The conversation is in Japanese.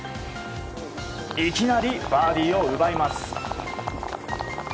いきなりバーディーを奪います。